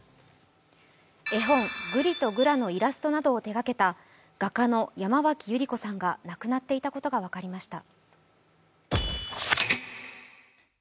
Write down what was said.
絵本「ぐりとぐら」のイラストなどを手掛けた画家の山脇百合子さんが亡くなっていたことが分かりました。